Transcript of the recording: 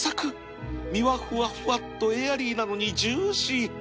身はふわふわっとエアリーなのにジューシー